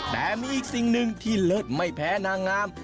แต่มีอีกสิ่งหนึ่งที่เลิศไม่แพ้นางงาม